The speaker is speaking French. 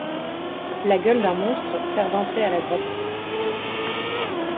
La gueule d'un monstre sert d'entrée à la grotte.